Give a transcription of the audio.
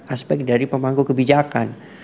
aspek dari pemangku kebijakan